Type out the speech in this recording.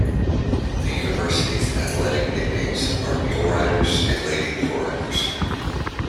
The university's athletic nicknames are Muleriders and Lady Muleriders.